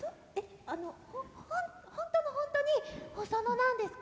あの本当の本当にホソノなんですか？